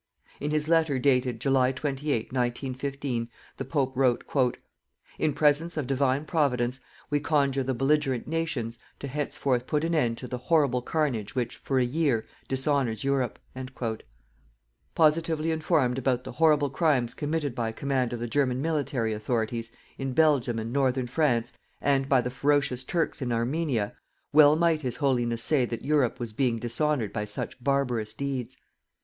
In his letter dated, July 28, 1915, the Pope wrote: "_In presence of Divine Providence, we conjure the belligerent nations, to henceforth put an end to the horrible carnage which, for a year, dishonours Europe._" Positively informed about the horrible crimes committed by command of the German military authorities in Belgium, and Northern France, and by the ferocious Turks in Armenia, well might His Holiness say that Europe was being dishonoured by such barbarous deeds.